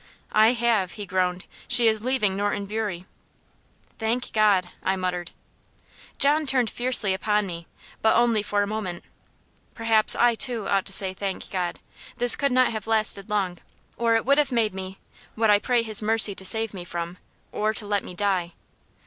"I have," he groaned. "She is leaving Norton Bury." "Thank God!" I muttered. John turned fiercely upon me but only for a moment. "Perhaps I too ought to say, 'Thank God.' This could not have lasted long, or it would have made me what I pray His mercy to save me from, or to let me die.